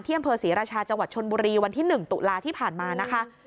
อำเภอศรีราชาจังหวัดชนบุรีวันที่๑ตุลาที่ผ่านมานะคะ